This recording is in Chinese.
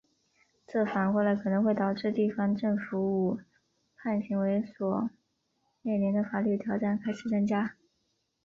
这反过来可能会导致地方政府武断行为所面临的法律挑战开始增加。